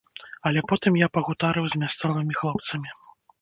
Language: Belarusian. Але потым я пагутарыў з мясцовымі хлопцамі.